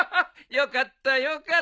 よかったよかった。